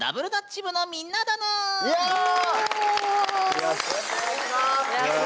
よろしくお願いします。